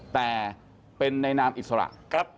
แต่เป็นในนามอิสระ